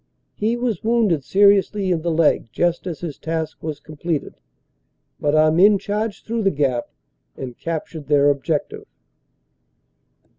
He was wounded ser iously in the leg just as his task was completed, but our men charged through the gap and captured their objective.